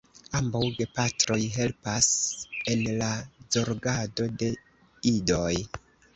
Ambaŭ gepatroj helpas en la zorgado de idoj.